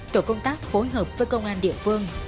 tổ công tác phối hợp với công an địa phương